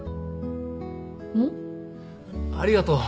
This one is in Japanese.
ありがとう。